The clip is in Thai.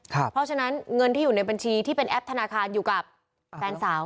เพราะฉะนั้นเงินที่อยู่ในบัญชีที่เป็นแอปธนาคารอยู่กับแฟนสาว